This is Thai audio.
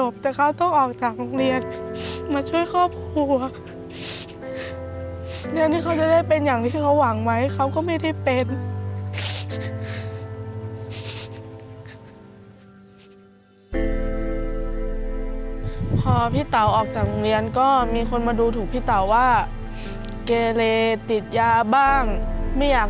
พอพี่เต๋าออกจากโรงเรียนก็มีคนมาดูถูกพี่เต๋าว่าเกเลติดยาบ้างไม่อยาก